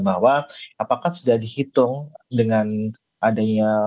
bahwa apakah sudah dihitung dengan adanya